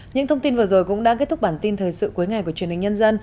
những thông tin vừa rồi cũng đã kết thúc bản tin thời sự cuối ngày của truyền thông